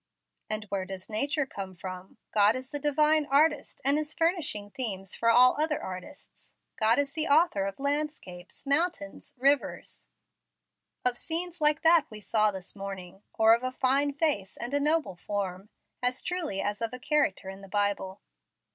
"And where does nature come from? God is the Divine Artist, and is furnishing themes for all other artists. God is the author of landscapes, mountains, rivers, of scenes like that we saw this morning, or of a fine face and a noble form, as truly as of a chapter in the Bible.